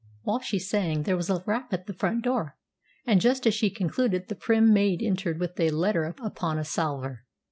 While she sang, there was a rap at the front door, and, just as she concluded, the prim maid entered with a letter upon a salver.